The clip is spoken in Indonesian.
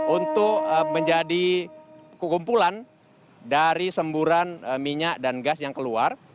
untuk menjadi kekumpulan dari semburan minyak dan gas yang keluar